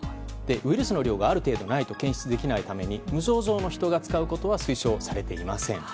ウイルスの量がある程度ないと検出できないために無症状の人が使うことは推奨されていません。